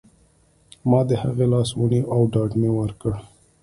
ما د هغې لاس ونیو او ډاډ مې ورکړ